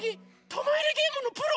たまいれゲームのプロ？